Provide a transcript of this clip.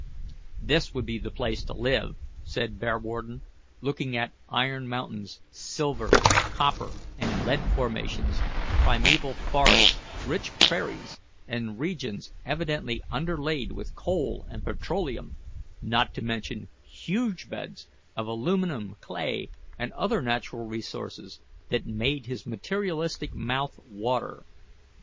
"This would be the place to live," said Bearwarden, looking at iron mountains, silver, copper, and lead formations, primeval forests, rich prairies, and regions evidently underlaid with coal and petroleum, not to mention huge beds of aluminum clay, and other natural resources, that made his materialistic mouth water.